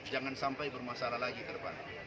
jangan sampai bermasalah lagi ke depan